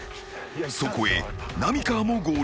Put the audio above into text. ［そこへ浪川も合流］